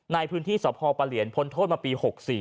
ในพื้นที่สัพพอประเหรียญพลโทษมาปี๑๙๖๔